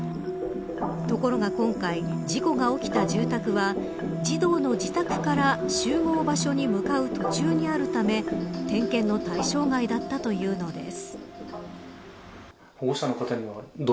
ところが今回事故が起きた住宅は児童の自宅から集合場所に向かう途中にあるため点検の対象外だったというのです。